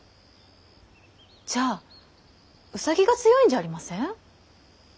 じゃあ兎が強いんじゃありません？